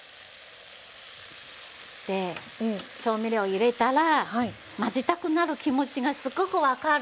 で調味料を入れたら混ぜたくなる気持ちがすごく分かる。